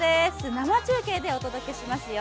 生中継でお届けしますよ。